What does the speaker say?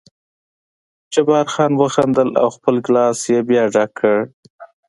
جبار خان وخندل او خپل ګیلاس یې بیا ډک کړ.